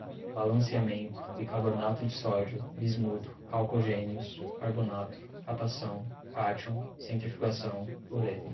balanceamento, bicarbonato de sódio, bismuto, calcogênios, carbonato, catação, cátion, centrifugação, cloreto